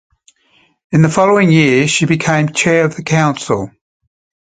In the following year she became chair of the council.